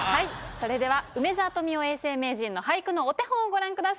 それでは梅沢富美男永世名人の俳句のお手本をご覧ください。